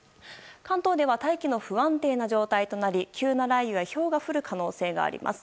関東では大気の不安定な状態となり急な雷雨やひょうが降る可能性があります。